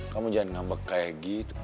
kamu jangan ngambek kayak gitu